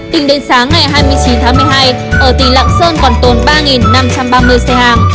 tính đến sáng ngày hai mươi chín tháng một mươi hai ở tỉnh lạng sơn còn tồn ba năm trăm ba mươi xe hàng